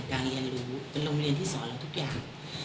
การเรียนรู้เป็นโรงเรียนที่สอนเราทุกอย่าง